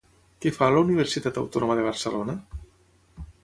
Què fa a la Universitat Autònoma de Barcelona?